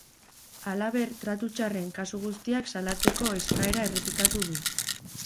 Halaber, tratu txarren kasu guztiak salatzeko eskera errepikatu du.